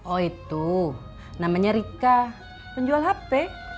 oh itu namanya rika penjual hp